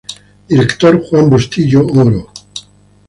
Director: Juan Bustillo Oro.